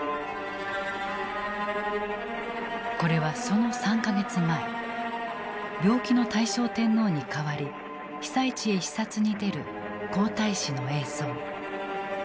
これはその３か月前病気の大正天皇に代わり被災地へ視察に出る皇太子の映像。